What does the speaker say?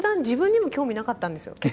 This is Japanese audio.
自分にも興味なかったんですよ